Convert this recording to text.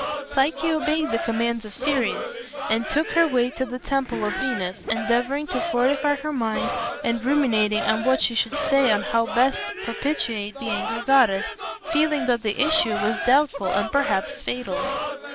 Psyche obeyed the commands of Ceres and took her way to the temple of Venus, endeavoring to fortify her mind and ruminating on what she should say and how best propitiate the angry goddess, feeling that the issue was doubtful and perhaps fatal.